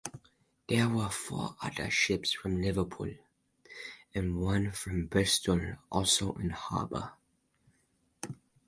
There were four other ships from Liverpool and one from Bristol also in harbour.